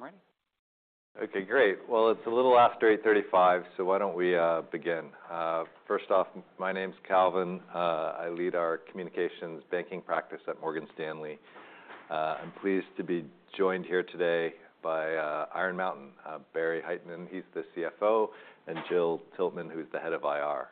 I'm ready. Okay, great. Well, it's a little after 8:35, why don't we begin? First off, my name's Calvin. I lead our communications banking practice at Morgan Stanley. I'm pleased to be joined here today by Iron Mountain, Barry Hytinen, he's the CFO, and Gillian Tiltman, who's the head of IR.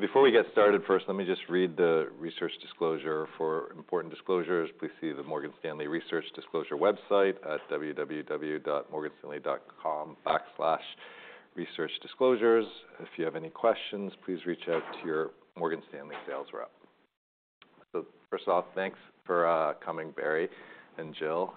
Before we get started, first, let me just read the research disclosure. For important disclosures, please see the Morgan Stanley Research Disclosure website at www.morganstanley.com/researchdisclosures. If you have any questions, please reach out to your Morgan Stanley sales rep. First off, thanks for coming, Barry and Gill.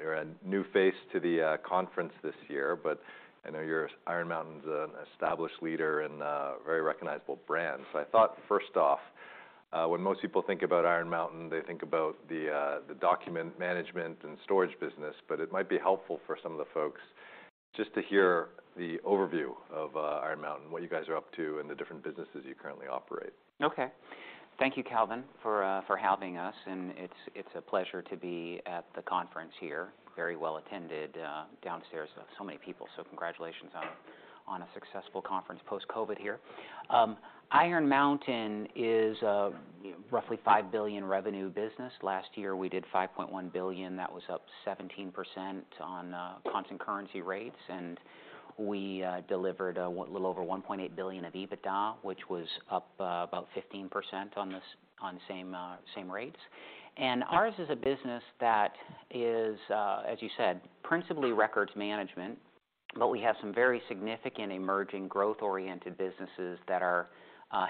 You're a new face to the conference this year, but I know Iron Mountain's an established leader and very recognizable brand. I thought, first off, when most people think about Iron Mountain, they think about the document management and storage business. It might be helpful for some of the folks just to hear the overview of Iron Mountain, what you guys are up to and the different businesses you currently operate. Okay. Thank you, Calvin, for having us. It's a pleasure to be at the conference here. Very well attended downstairs. Many people, congratulations on a successful conference post-COVID here. Iron Mountain is a roughly $5 billion revenue business. Last year we did $5.1 billion. That was up 17% on constant currency rates. We delivered a little over $1.8 billion of EBITDA, which was up about 15% on the same rates. Ours is a business that is, as you said, principally records management, but we have some very significant emerging growth-oriented businesses that are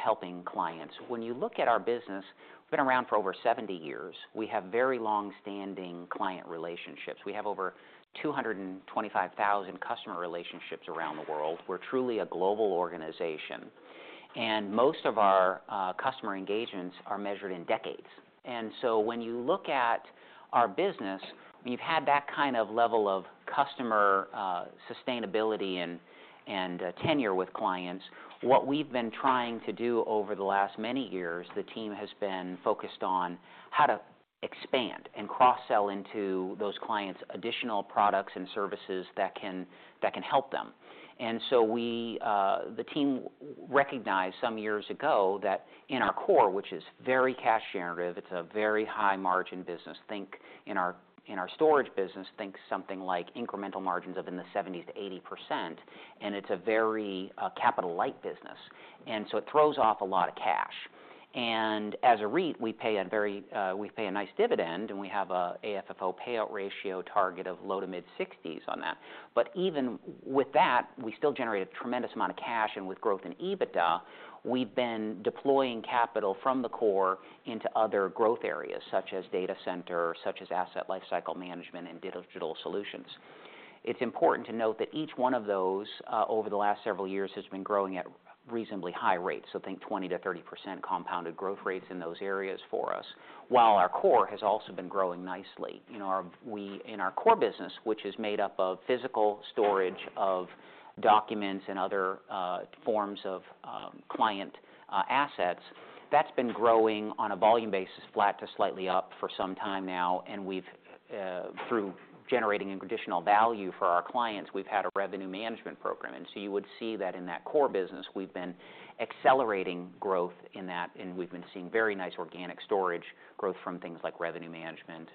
helping clients. When you look at our business, we've been around for over 70 years. We have very long-standing client relationships. We have over 225,000 customer relationships around the world. We're truly a global organization. Most of our customer engagements are measured in decades. When you look at our business, we've had that kind of level of customer sustainability and tenure with clients. What we've been trying to do over the last many years, the team has been focused on how to expand and cross-sell into those clients additional products and services that can help them. We, the team recognized some years ago that in our core, which is very cash generative, it's a very high margin business, think in our storage business, think something like incremental margins of in the 70%-80%, and it's a very capital-light business. It throws off a lot of cash. As a REIT, we pay a very, we pay a nice dividend, and we have a AFFO payout ratio target of low to mid-60s on that. Even with that, we still generate a tremendous amount of cash, and with growth in EBITDA, we've been deploying capital from the core into other growth areas, such as data center, such as Asset Lifecycle Management and Digital Solutions. It's important to note that each one of those, over the last several years has been growing at reasonably high rates. Think 20%-30% compounded growth rates in those areas for us, while our core has also been growing nicely. In our core business, which is made up of physical storage of documents and other forms of client assets, that's been growing on a volume basis, flat to slightly up for some time now, and we've through generating additional value for our clients, we've had a revenue management program. You would see that in that core business, we've been accelerating growth in that, and we've been seeing very nice organic storage growth from things like revenue management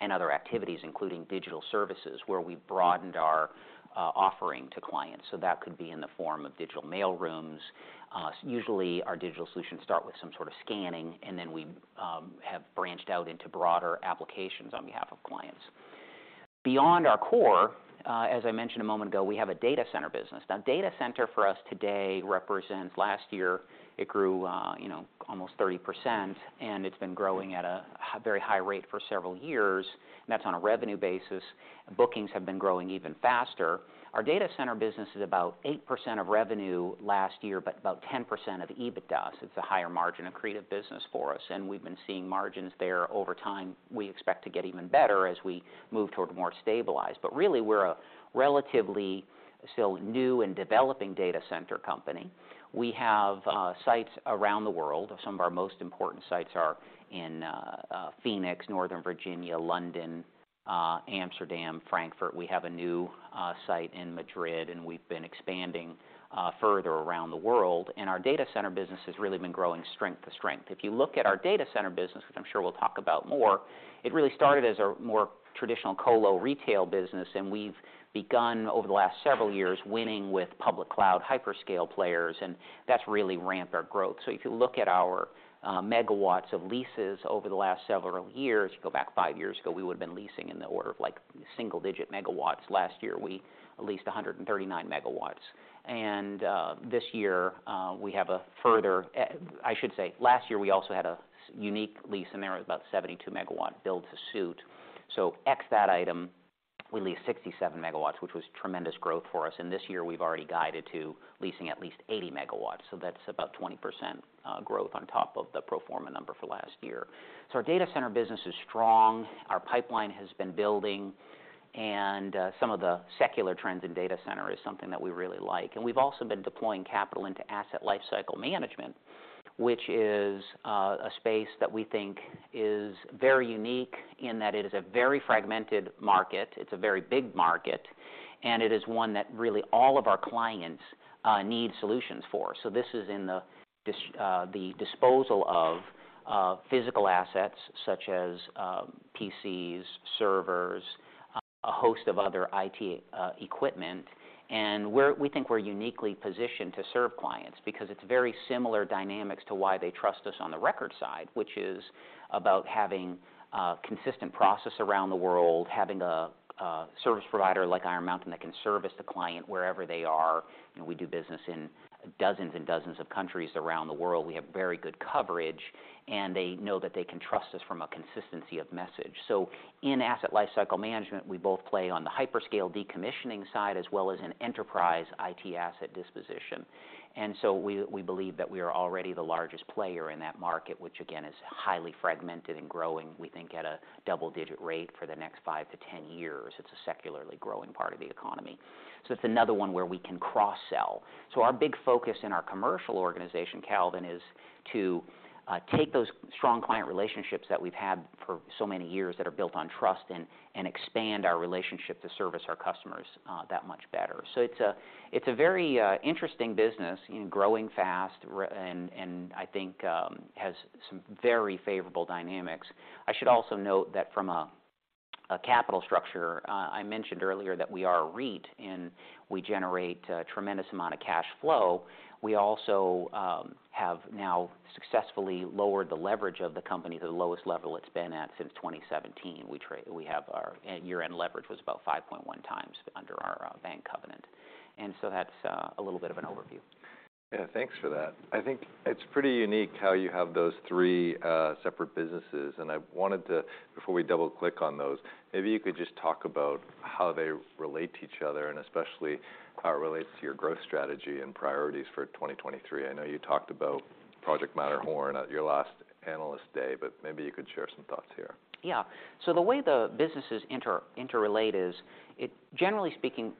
and other activities, including digital services, where we broadened our offering to clients. That could be in the form of digital mail rooms. Usually our Digital Solutions start with some sort of scanning, and then we have branched out into broader applications on behalf of clients. Beyond our core, as I mentioned a moment ago, we have a data center business. Data center for us today represents... Last year, it grew, you know, almost 30%, and it's been growing at a very high rate for several years. That's on a revenue basis. Bookings have been growing even faster. Our data center business is about 8% of revenue last year, but about 10% of EBITDA, so it's a higher margin accretive business for us. We've been seeing margins there over time we expect to get even better as we move toward more stabilized. Really, we're a relatively still new and developing data center company. We have sites around the world. Some of our most important sites are in Phoenix, Northern Virginia, London, Amsterdam, Frankfurt. We have a new site in Madrid, and we've been expanding further around the world. Our data center business has really been growing strength to strength. If you look at our data center business, which I'm sure we'll talk about more, it really started as a more traditional colo retail business, and we've begun over the last several years winning with public cloud hyperscale players, and that's really ramped our growth. If you look at our MW of leases over the last several years, go back five years ago, we would've been leasing in the order of, like, single-digit MW. Last year, we leased 139 MW. This year, we have a further. I should say, last year, we also had a unique lease in there. It was about 72 MW build to suit. X that item, we leased 67 MW, which was tremendous growth for us. This year, we've already guided to leasing at least 80 MW, so that's about 20% growth on top of the pro forma number for last year. Our data center business is strong. Our pipeline has been building, and some of the secular trends in data center is something that we really like. We've also been deploying capital into Asset Lifecycle Management, which is a space that we think is very unique in that it is a very fragmented market. It's a very big market, and it is one that really all of our clients need solutions for. This is in the disposal of physical assets such as PCs, servers, a host of other IT equipment. We think we're uniquely positioned to serve clients because it's very similar dynamics to why they trust us on the record side, which is about having a consistent process around the world, having a service provider like Iron Mountain that can service the client wherever they are. You know, we do business in dozens and dozens of countries around the world. We have very good coverage, and they know that they can trust us from a consistency of message. In Asset Lifecycle Management, we both play on the hyperscale decommissioning side as well as in enterprise IT asset disposition. We believe that we are already the largest player in that market, which again, is highly fragmented and growing, we think at a double-digit rate for the next five-10 years. It's a secularly growing part of the economy. It's another one where we can cross-sell. Our big focus in our commercial organization, Calvin, is to take those strong client relationships that we've had for so many years that are built on trust and expand our relationship to service our customers that much better. It's a very interesting business and growing fast and I think has some very favorable dynamics. I should also note that from a capital structure, I mentioned earlier that we are a REIT, and we generate a tremendous amount of cash flow. We also have now successfully lowered the leverage of the company to the lowest level it's been at since 2017. Year-end leverage was about 5.1x under our bank covenant. That's, a little bit of an overview. Yeah. Thanks for that. I think it's pretty unique how you have those three separate businesses. I wanted to, before we double-click on those, maybe you could just talk about how they relate to each other and especially how it relates to your growth strategy and priorities for 2023. I know you talked about Project Matterhorn at your last Analyst Day. Maybe you could share some thoughts here. The way the businesses interrelate is generally speaking,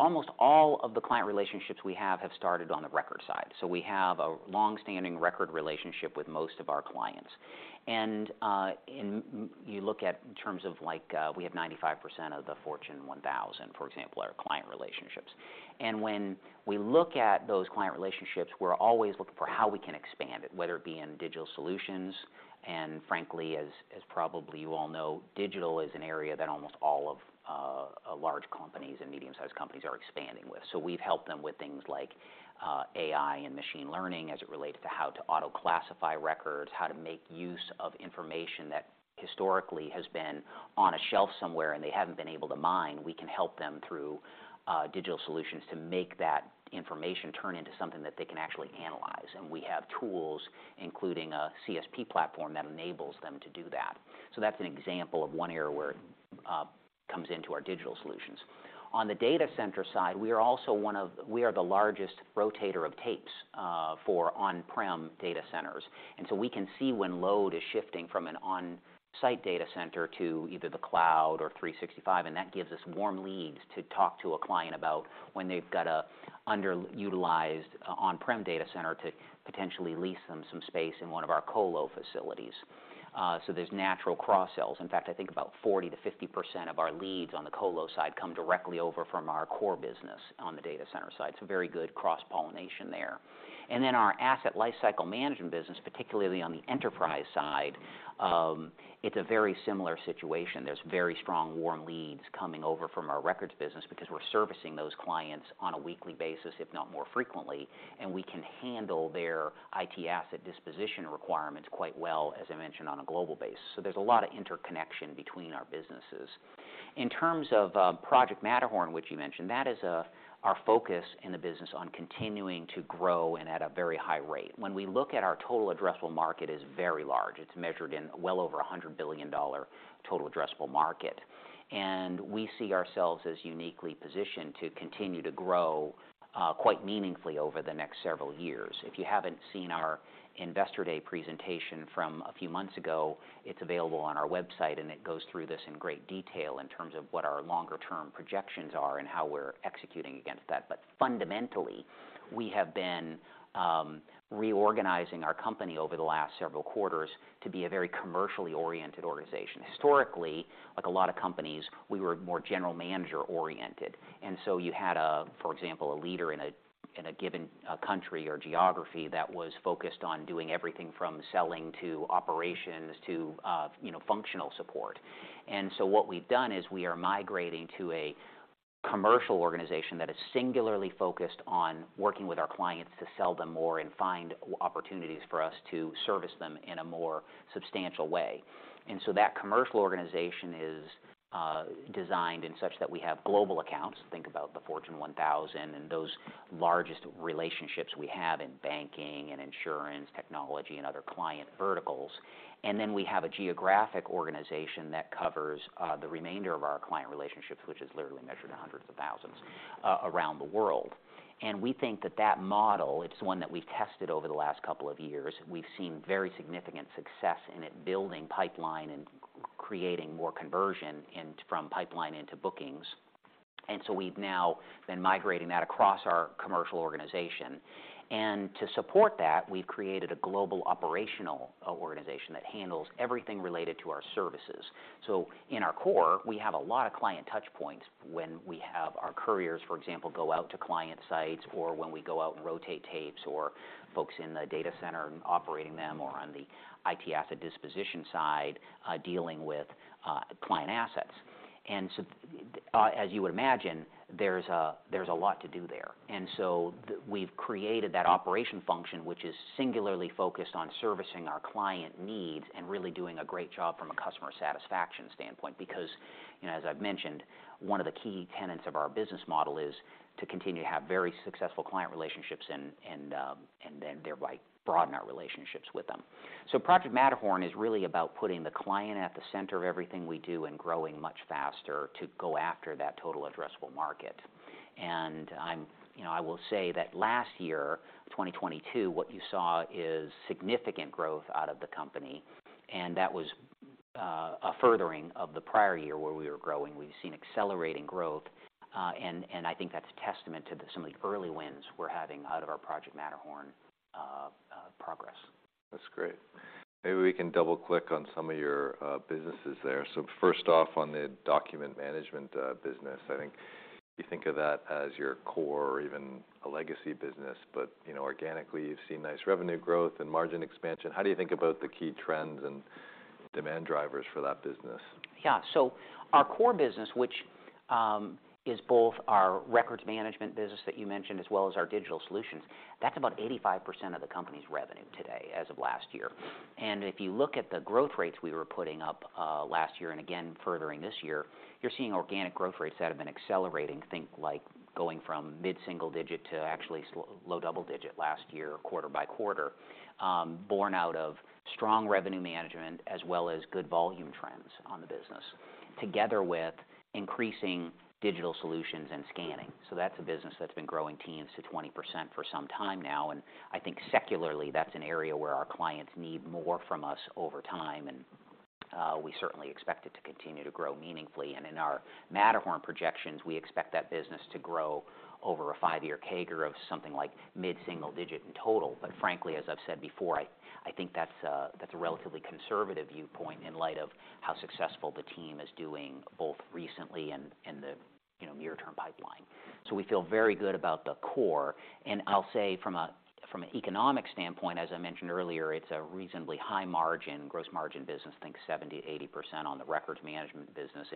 almost all of the client relationships we have have started on the record side. We have a longstanding record relationship with most of our clients. You look at in terms of, like, we have 95% of the Fortune 1000, for example, are client relationships. When we look at those client relationships, we're always looking for how we can expand it, whether it be in Digital Solutions. Frankly, as probably you all know, digital is an area that almost all of large companies and medium-sized companies are expanding with. We've helped them with things like AI and machine learning as it relates to how to auto-classify records, how to make use of information that historically has been on a shelf somewhere, and they haven't been able to mine. We can help them through Digital Solutions to make that information turn into something that they can actually analyze. We have tools, including a CSP platform, that enables them to do that. That's an example of one area where comes into our Digital Solutions. On the data center side, we are also We are the largest rotator of tapes for on-prem data centers. We can see when load is shifting from an on-site data center to either the cloud or Microsoft 365, and that gives us warm leads to talk to a client about when they've got a underutilized on-prem data center to potentially lease them some space in one of our colo facilities. There's natural cross-sells. In fact, I think about 40%-50% of our leads on the colo side come directly over from our core business on the data center side. It's a very good cross-pollination there. Our Asset Lifecycle Management business, particularly on the enterprise side, it's a very similar situation. There's very strong warm leads coming over from our records business because we're servicing those clients on a weekly basis, if not more frequently, and we can handle their IT asset disposition requirements quite well, as I mentioned, on a global basis. In terms of Project Matterhorn, which you mentioned, that is our focus in the business on continuing to grow and at a very high rate. When we look at our total addressable market is very large. It's measured in well over a $100 billion total addressable market. We see ourselves as uniquely positioned to continue to grow quite meaningfully over the next several years. If you haven't seen our Investor Day presentation from a few months ago, it's available on our website, and it goes through this in great detail in terms of what our longer-term projections are and how we're executing against that. Fundamentally, we have been reorganizing our company over the last several quarters to be a very commercially oriented organization. Historically, like a lot of companies, we were more general manager oriented, you had a, for example, a leader in a, in a given country or geography that was focused on doing everything from selling to operations to, you know, functional support. What we've done is we are migrating to a commercial organization that is singularly focused on working with our clients to sell them more and find opportunities for us to service them in a more substantial way. That commercial organization is designed in such that we have global accounts, think about the Fortune 1000 and those largest relationships we have in banking and insurance, technology and other client verticals. We have a geographic organization that covers the remainder of our client relationships, which is literally measured in hundreds of thousands around the world. We think that that model, it's one that we've tested over the last couple of years. We've seen very significant success in it building pipeline and creating more conversion from pipeline into bookings. We've now been migrating that across our commercial organization. To support that, we've created a global operational organization that handles everything related to our services. In our core, we have a lot of client touchpoints when we have our couriers, for example, go out to client sites, or when we go out and rotate tapes, or folks in the data center operating them, or on the IT asset disposition side, dealing with, client assets. As you would imagine, there's a lot to do there. We've created that operation function, which is singularly focused on servicing our client needs and really doing a great job from a customer satisfaction standpoint. Because, you know, as I've mentioned, one of the key tenets of our business model is to continue to have very successful client relationships and, and then thereby broaden our relationships with them. Project Matterhorn is really about putting the client at the center of everything we do and growing much faster to go after that total addressable market. You know, I will say that last year, 2022, what you saw is significant growth out of the company, and that was a furthering of the prior year where we were growing. We've seen accelerating growth, and I think that's a testament to some of the early wins we're having out of our Project Matterhorn progress. That's great. Maybe we can double-click on some of your businesses there. First off, on the document management business. I think you think of that as your core or even a legacy business. You know, organically, you've seen nice revenue growth and margin expansion. How do you think about the key trends and demand drivers for that business? Yeah. Our core business, which is both our records management business that you mentioned, as well as our Digital Solutions, that's about 85% of the company's revenue today as of last year. If you look at the growth rates we were putting up last year and again furthering this year, you're seeing organic growth rates that have been accelerating. Think like going from mid-single digit to actually low double digit last year quarter by quarter, born out of strong revenue management as well as good volume trends on the business together with increasing Digital Solutions and scanning. That's a business that's been growing teens to 20% for some time now, and I think secularly, that's an area where our clients need more from us over time. We certainly expect it to continue to grow meaningfully. In our Matterhorn projections, we expect that business to grow over a five year CAGR of something like mid-single digit in total. Frankly, as I've said before, I think that's a relatively conservative viewpoint in light of how successful the team is doing both recently and in the, you know, near-term pipeline. We feel very good about the core. I'll say from a, from an economic standpoint, as I mentioned earlier, it's a reasonably high margin, gross margin business. Think 70%-80% on the records management business.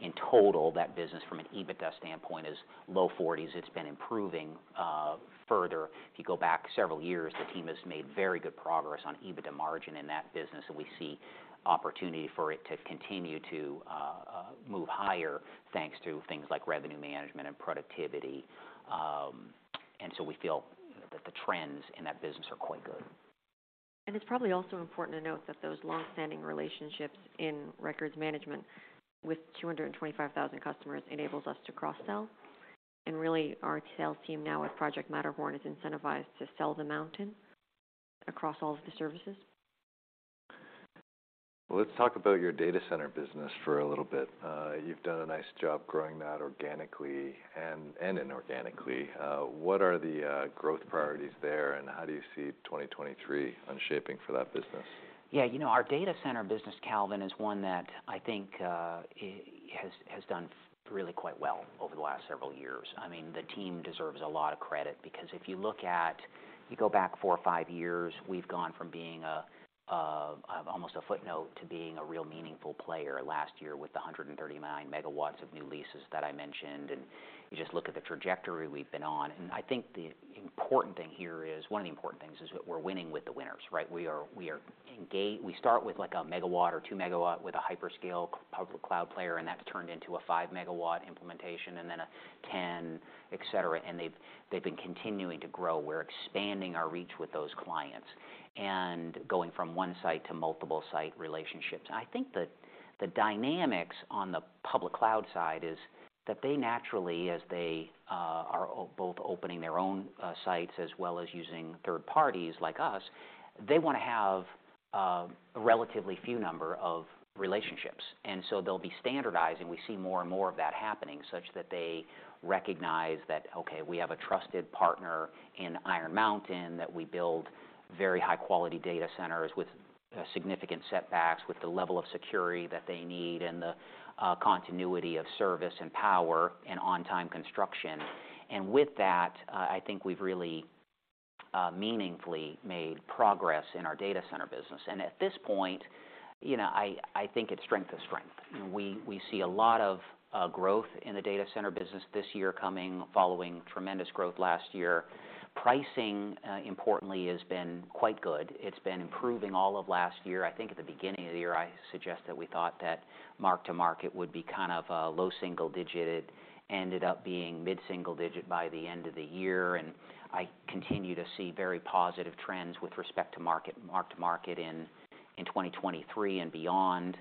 In total, that business from an EBITDA standpoint is low forties. It's been improving further. If you go back several years, the team has made very good progress on EBITDA margin in that business, and we see opportunity for it to continue to move higher, thanks to things like revenue management and productivity. We feel that the trends in that business are quite good. It's probably also important to note that those long-standing relationships in records management with 225,000 customers enables us to cross-sell. Really, our sales team now with Project Matterhorn is incentivized to sell the mountain across all of the services. Let's talk about your data center business for a little bit. You've done a nice job growing that organically and inorganically. What are the growth priorities there, and how do you see 2023 unshaping for that business? Yeah. You know, our data center business, Calvin, is one that I think has done really quite well over the last several years. I mean, the team deserves a lot of credit because if you look at... You go back four or five years, we've gone from being almost a footnote to being a real meaningful player last year with the 139 MW of new leases that I mentioned. You just look at the trajectory we've been on. I think the important thing here is one of the important things is we're winning with the winners, right? We are, we start with like a 1 MW or 2 MW with a hyperscale public cloud player, and that's turned into a 5-MW implementation and then a 10, et cetera. They've been continuing to grow. We're expanding our reach with those clients and going from 1 site to multiple site relationships. I think the dynamics on the public cloud side is that they naturally, as they are both opening their own sites as well as using third parties like us, they wanna have a relatively few number of relationships. So they'll be standardizing. We see more and more of that happening, such that they recognize that, okay, we have a trusted partner in Iron Mountain, that we build very high-quality data centers with significant setbacks, with the level of security that they need and the continuity of service and power and on-time construction. With that, I think we've really meaningfully made progress in our data center business. At this point, you know, I think it's strength to strength. We see a lot of growth in the data center business this year coming, following tremendous growth last year. Pricing, importantly, has been quite good. It's been improving all of last year. I think at the beginning of the year, I suggest that we thought that mark to market would be kind of low single digit. It ended up being mid-single digit by the end of the year, and I continue to see very positive trends with respect to mark to market in 2023 and beyond.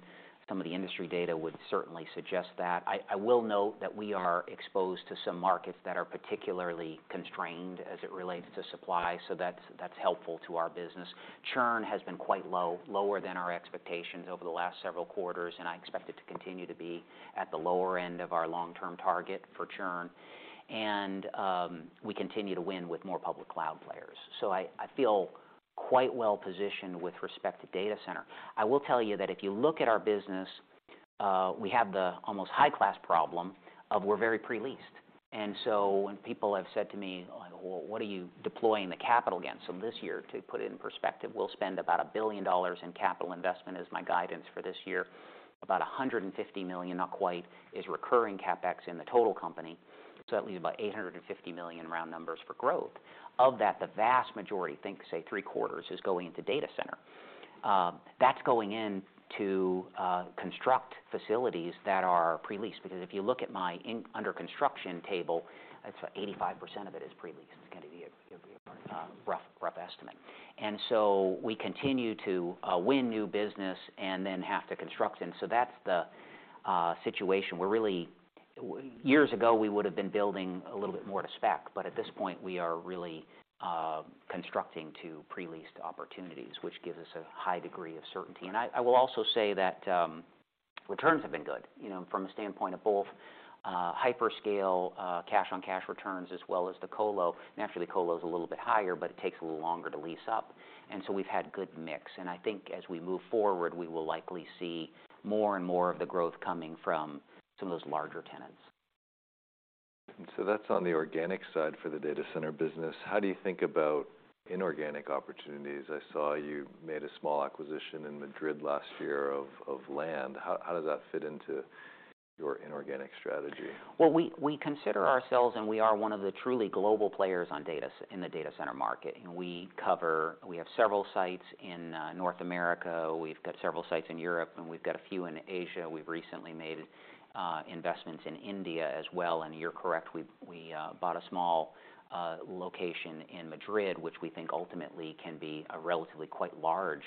Some of the industry data would certainly suggest that. I will note that we are exposed to some markets that are particularly constrained as it relates to supply, so that's helpful to our business. Churn has been quite low, lower than our expectations over the last several quarters, and I expect it to continue to be at the lower end of our long-term target for churn. We continue to win with more public cloud players. I feel quite well positioned with respect to data center. I will tell you that if you look at our business, we have the almost high-class problem of we're very pre-leased. When people have said to me, like, "Well, what are you deploying the capital against?" This year, to put it in perspective, we'll spend about $1 billion in capital investment is my guidance for this year. About $150 million, not quite, is recurring CapEx in the total company. That leaves about $850 million round numbers for growth. Of that, the vast majority, think, say, three-quarters, is going into data center. That's going in to construct facilities that are pre-leased. Because if you look at my under construction table, it's 85% of it is pre-leased, is gonna be a rough estimate. We continue to win new business and then have to construct. That's the situation. Years ago, we would've been building a little bit more to spec, but at this point, we are really constructing to pre-leased opportunities, which gives us a high degree of certainty. I will also say that returns have been good, you know, from a standpoint of both hyperscale cash-on-cash returns as well as the colo. Naturally, colo's a little bit higher, but it takes a little longer to lease up. We've had good mix. I think as we move forward, we will likely see more and more of the growth coming from some of those larger tenants. That's on the organic side for the data center business. How do you think about inorganic opportunities? I saw you made a small acquisition in Madrid last year of land. How does that fit into your inorganic strategy? Well, we consider ourselves, and we are one of the truly global players in the data center market. We have several sites in North America, we've got several sites in Europe, and we've got a few in Asia. We've recently made investments in India as well. You're correct, we bought a small location in Madrid, which we think ultimately can be a relatively quite large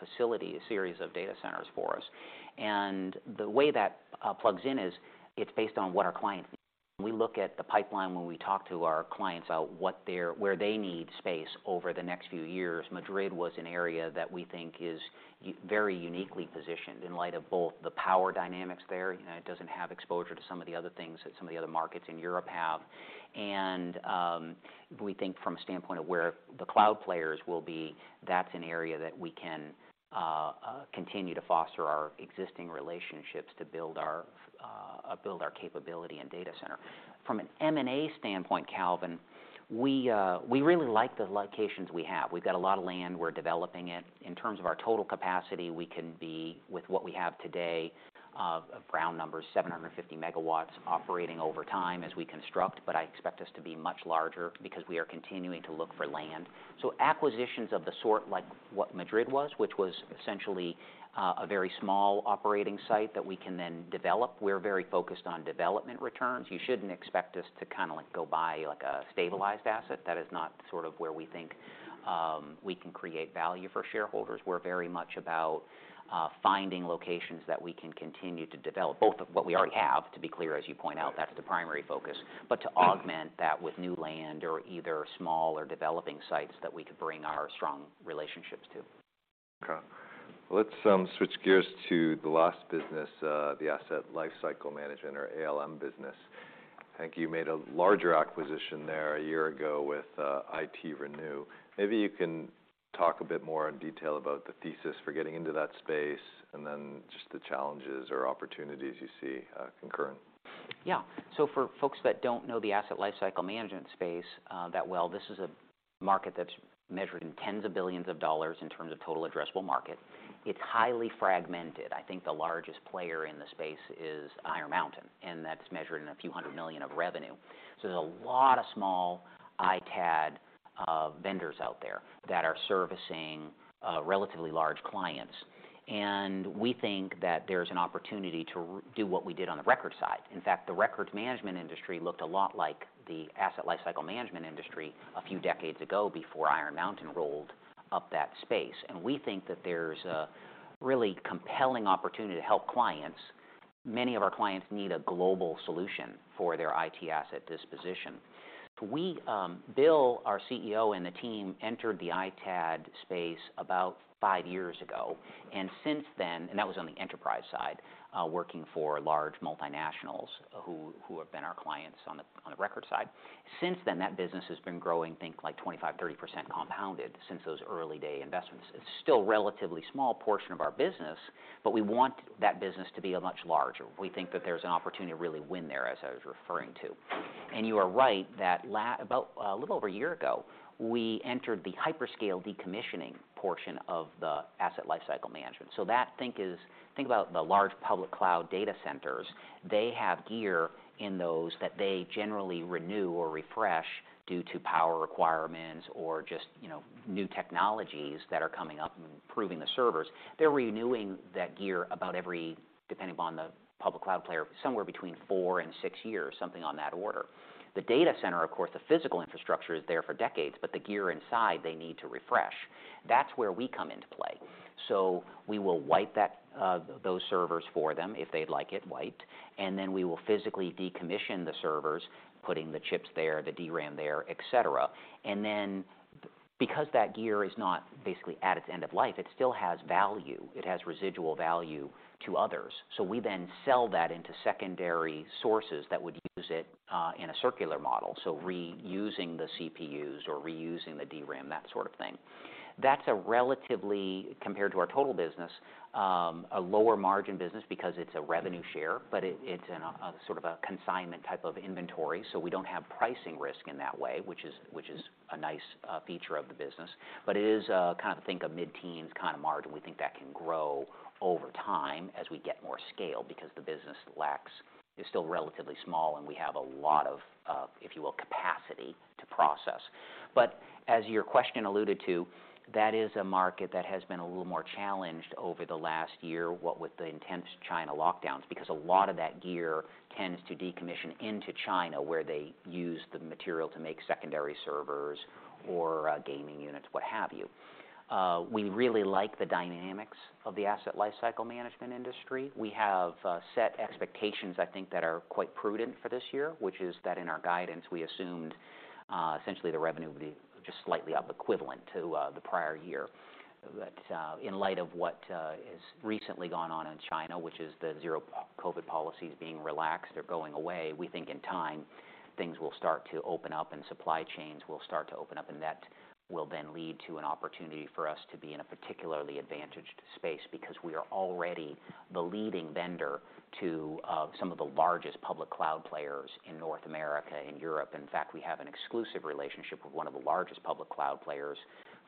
facility, a series of data centers for us. The way that plugs in is it's based on what our clients need. We look at the pipeline when we talk to our clients about where they need space over the next few years. Madrid was an area that we think is very uniquely positioned in light of both the power dynamics there, you know, it doesn't have exposure to some of the other things that some of the other markets in Europe have. We think from a standpoint of where the cloud players will be, that's an area that we can continue to foster our existing relationships to build our capability in data center. From an M&A standpoint, Calvin, we really like the locations we have. We've got a lot of land, we're developing it. In terms of our total capacity, we can be, with what we have today, round numbers, 750 MW operating over time as we construct, but I expect us to be much larger because we are continuing to look for land. Acquisitions of the sort like what Madrid was, which was essentially, a very small operating site that we can then develop. We're very focused on development returns. You shouldn't expect us to kind of like go buy like a stabilized asset. That is not sort of where we think we can create value for shareholders. We're very much about finding locations that we can continue to develop, both of what we already have, to be clear, as you point out, that's the primary focus. To augment that with new land or either small or developing sites that we could bring our strong relationships to. Let's switch gears to the last business, the Asset Lifecycle Management or ALM business. I think you made a larger acquisition there a year ago with ITRenew. Maybe you can talk a bit more in detail about the thesis for getting into that space and then just the challenges or opportunities you see, concurrent. For folks that don't know the Asset Lifecycle Management space that well, this is a market that's measured in tens of billions of dollars in terms of total addressable market. It's highly fragmented. I think the largest player in the space is Iron Mountain, and that's measured in a few hundred million of revenue. There's a lot of small ITAD vendors out there that are servicing relatively large clients. We think that there's an opportunity to do what we did on the record side. In fact, the records management industry looked a lot like the Asset Lifecycle Management industry a few decades ago before Iron Mountain rolled up that space. We think that there's a really compelling opportunity to help clients. Many of our clients need a global solution for their IT asset disposition. We, Bill, our CEO, and the team entered the ITAD space about five years ago. That was on the enterprise side, working for large multinationals who have been our clients on the record side. Since then, that business has been growing, think, like, 25%, 30% compounded since those early day investments. It's still a relatively small portion of our business, but we want that business to be a much larger. We think that there's an opportunity to really win there, as I was referring to. You are right that about a little over a year ago, we entered the hyperscale decommissioning portion of the Asset Lifecycle Management. That, think about the large public cloud data centers. They have gear in those that they generally renew or refresh due to power requirements or just, you know, new technologies that are coming up and improving the servers. They're renewing that gear about every, depending upon the public cloud player, somewhere between four and six years, something on that order. The data center, of course, the physical infrastructure is there for decades, but the gear inside they need to refresh. That's where we come into play. We will wipe that, those servers for them if they'd like it wiped, and then we will physically decommission the servers, putting the chips there, the DRAM there, et cetera. Because that gear is not basically at its end of life, it still has value. It has residual value to others. We then sell that into secondary sources that would use it, in a circular model, so reusing the CPUs or reusing the DRAM, that sort of thing. That's a relatively, compared to our total business, a lower margin business because it's a revenue share, but it's in a sort of a consignment type of inventory, so we don't have pricing risk in that way, which is, which is a nice feature of the business. It is, kind of think a mid-teens kind of margin. We think that can grow over time as we get more scale because the business is still relatively small, and we have a lot of, if you will, capacity to process. As your question alluded to, that is a market that has been a little more challenged over the last year, what with the intense China lockdowns, because a lot of that gear tends to decommission into China where they use the material to make secondary servers or gaming units, what have you. We really like the dynamics of the Asset Lifecycle Management industry. We have set expectations, I think, that are quite prudent for this year, which is that in our guidance, we assumed essentially the revenue would be just slightly up equivalent to the prior year. In light of what has recently gone on in China, which is the zero COVID policies being relaxed, they're going away, we think in time things will start to open up and supply chains will start to open up, and that will then lead to an opportunity for us to be in a particularly advantaged space because we are already the leading vendor to some of the largest public cloud players in North America and Europe. In fact, we have an exclusive relationship with one of the largest public cloud players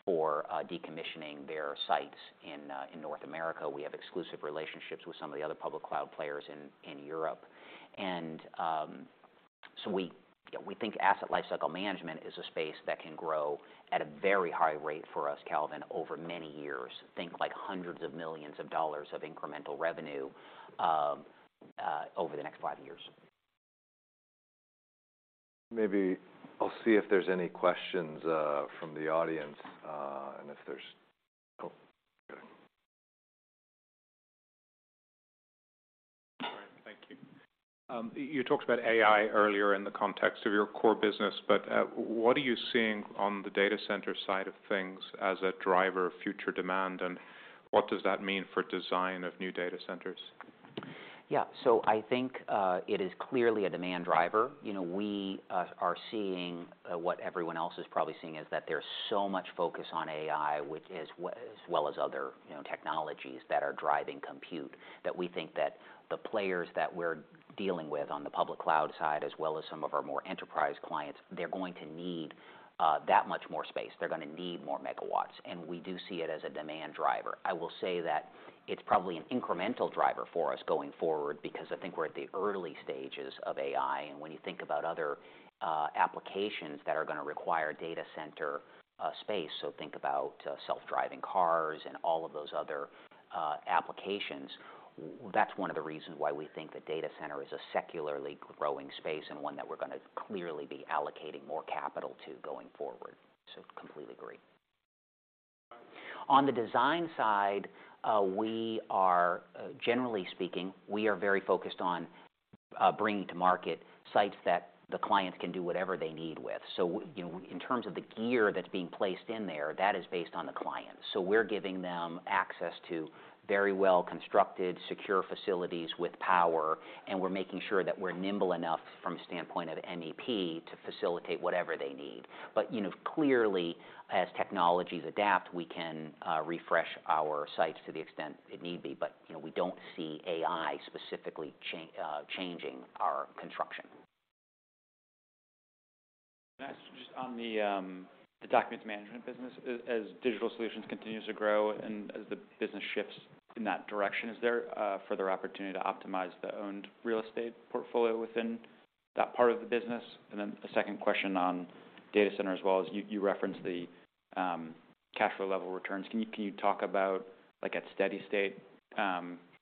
for decommissioning their sites in North America. We have exclusive relationships with some of the other public cloud players in Europe. So we think Asset Lifecycle Management is a space that can grow at a very high rate for us, Calvin, over many years. Think like hundreds of millions of dollars of incremental revenue, over the next five years. Maybe I'll see if there's any questions, from the audience. Oh, okay. All right. Thank you. You talked about AI earlier in the context of your core business, but what are you seeing on the data center side of things as a driver of future demand, and what does that mean for design of new data centers? I think it is clearly a demand driver. You know, we are seeing what everyone else is probably seeing, is that there's so much focus on AI, which is, as well as other, you know, technologies that are driving compute, that we think that the players that we're dealing with on the public cloud side, as well as some of our more enterprise clients, they're going to need that much more space. They're gonna need more MW. We do see it as a demand driver. I will say that it's probably an incremental driver for us going forward because I think we're at the early stages of AI. When you think about other applications that are going to require data center space, think about self-driving cars and all of those other applications, that's one of the reasons why we think the data center is a secularly growing space and one that we're going to clearly be allocating more capital to going forward. Completely agree. On the design side, generally speaking, we are very focused on bringing to market sites that the clients can do whatever they need with. You know, in terms of the gear that's being placed in there, that is based on the client. We're giving them access to very well-constructed, secure facilities with power, and we're making sure that we're nimble enough from a standpoint of NEP to facilitate whatever they need. You know, clearly as technologies adapt, we can refresh our sites to the extent it need be. You know, we don't see AI specifically changing our construction. Can I ask just on the documents management business, as Digital Solutions continues to grow and as the business shifts in that direction, is there further opportunity to optimize the owned real estate portfolio within that part of the business? A second question on data center as well, is you referenced the cash flow level returns. Can you talk about like at steady state,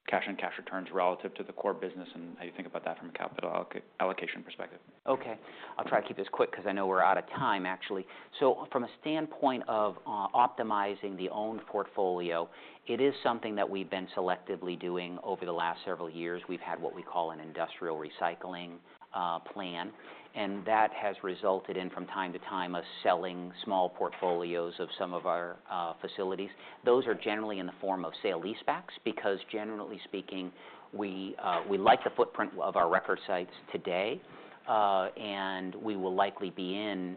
cash and cash returns relative to the core business and how you think about that from a capital allocation perspective? Okay. I'll try to keep this quick 'cause I know we're out of time, actually. From a standpoint of optimizing the owned portfolio, it is something that we've been selectively doing over the last several years. We've had what we call an industrial recycling plan, that has resulted in, from time to time, us selling small portfolios of some of our facilities. Those are generally in the form of sale-leasebacks because generally speaking, we like the footprint of our record sites today, and we will likely be in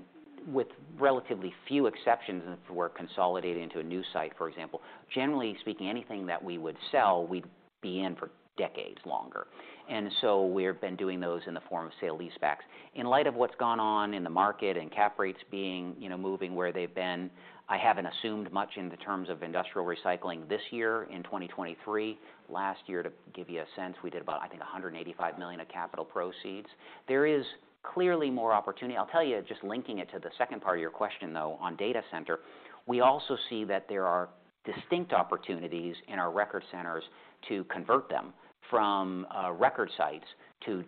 with relatively few exceptions, if we're consolidating to a new site, for example. Generally speaking, anything that we would sell, we'd be in for decades longer. We've been doing those in the form of sale-leasebacks. In light of what's gone on in the market and cap rates being, you know, moving where they've been, I haven't assumed much in the terms of industrial recycling this year in 2023. Last year, to give you a sense, we did about, I think, $185 million of capital proceeds. There is clearly more opportunity. I'll tell you, just linking it to the second part of your question, though, on data center, we also see that there are distinct opportunities in our record centers to convert them from record sites to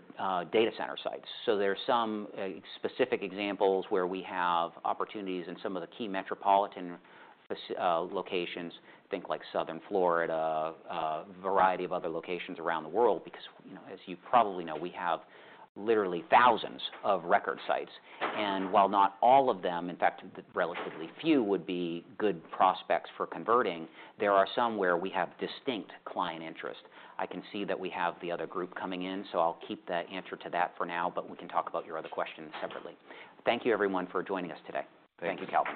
data center sites. There are some specific examples where we have opportunities in some of the key metropolitan locations. Think like Southern Florida, a variety of other locations around the world, because, you know, as you probably know, we have literally thousands of record sites. While not all of them, in fact, relatively few would be good prospects for converting, there are some where we have distinct client interest. I can see that we have the other group coming in, so I'll keep the answer to that for now, but we can talk about your other questions separately. Thank you everyone for joining us today. Thank you, Calvin.